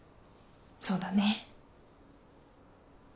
そうだね。